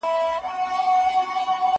زه هره ورځ سندري اورم،